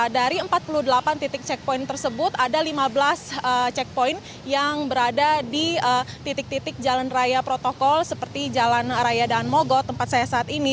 dari empat puluh delapan titik checkpoint tersebut ada lima belas checkpoint yang berada di titik titik jalan raya protokol seperti jalan raya dan mogot tempat saya saat ini